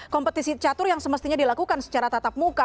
kompetisi catur yang semestinya dilakukan secara tatap muka